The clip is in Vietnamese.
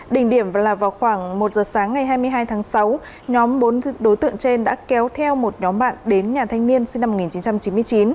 đỉnh điểm là vào khoảng một giờ sáng ngày hai mươi hai tháng sáu nhóm bốn đối tượng trên đã kéo theo một nhóm bạn đến nhà thanh niên sinh năm một nghìn chín trăm chín mươi chín